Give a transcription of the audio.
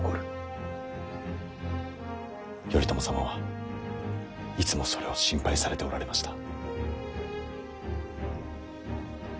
頼朝様はいつもそれを心配されておられました。